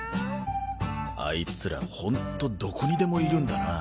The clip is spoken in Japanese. あいつらほんとどこにでもいるんだな。